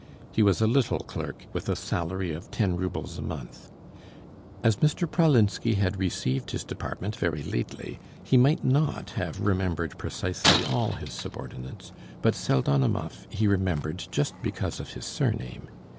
He was a little clerk with a salary of ten roubles a month. As Mr. Pralinsky had received his department very lately he might not have remembered precisely all his subordinates, but Pseldonimov he remembered just because of his surname.